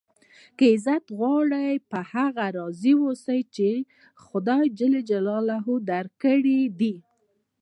که عزت غواړئ؟ په هغه راضي اوسئ، چي خدای جل جلاله درکړي دي.